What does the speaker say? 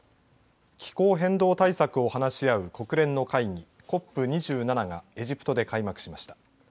気候変動対策を話し合う国連の会議、ＣＯＰ２７がエジプトで開幕しました。